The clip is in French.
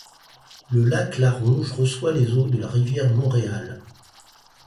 Le lac la Ronge reçoit les eaux de la rivière Montréal.